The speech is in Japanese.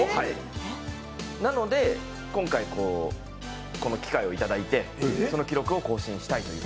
なので、今回この機会をいただいてその記録を更新したいと。